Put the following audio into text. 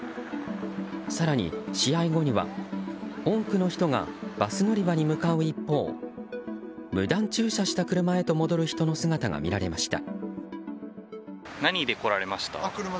更に試合後には、多くの人がバス乗り場に向かう一方無断駐車した車へと戻る人の姿が見られました。